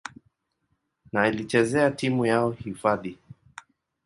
na alichezea timu yao hifadhi.